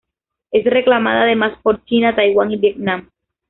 Es reclamada además por China, Taiwán y Vietnam.